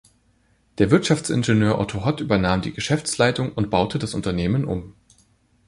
Der Wirtschaftsingenieur Otto Hott übernahm die Geschäftsleitung und baute das Unternehmen um.